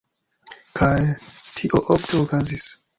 Kaj... tio ofte okazis.